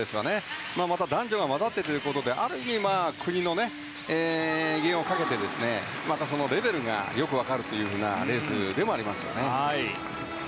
また男女が混ざってということである意味、国の威厳をかけてまたレベルがよく分かるレースでもありますね。